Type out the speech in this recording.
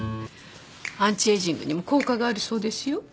アンチエイジングにも効果があるそうですよ。